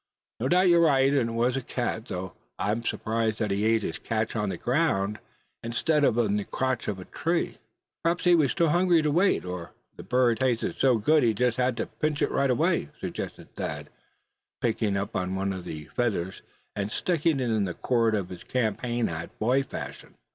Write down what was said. No doubt you're right, and it was a cat; though I'm surprised that he ate his catch on the ground, instead of in the crotch of a tree." "Perhaps he was too hungry to wait; or the bird tasted so good he just had to pitch in right away," suggested Thad, picking up one of the feathers, and sticking it in the cord of his campaign hat, boy fashion.